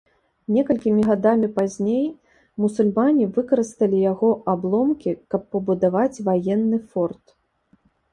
Некалькімі гадамі пазней мусульмане выкарысталі яго абломкі, каб пабудаваць ваенны форт.